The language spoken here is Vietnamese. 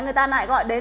người ta lại gọi đến